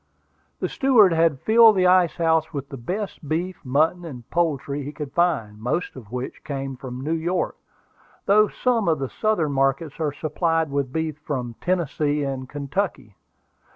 The steward had filled the ice house with the best beef, mutton, and poultry he could find, most of which came from New York, though some of the Southern markets are supplied with beef from Tennessee and Kentucky.